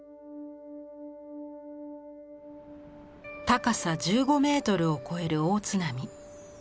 高さ１５メートルを超える大津波。